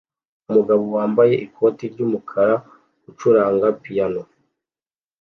Umugabo wambaye ikoti ry'umukara acuranga piyano